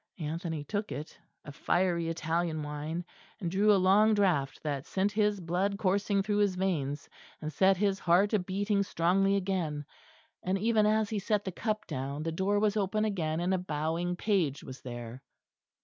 Anthony took it a fiery Italian wine, and drew a long draught that sent his blood coursing through his veins, and set his heart a beating strongly again. And even as he set the cup down, the door was open again, and a bowing page was there.